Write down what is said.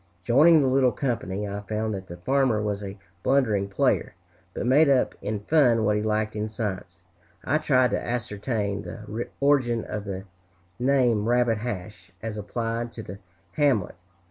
Joining the little company, I found that the farmer was a blundering player, but made up in fun what he lacked in science. I tried to ascertain the origin of the name Rabbit Hash, as applied to the hamlet.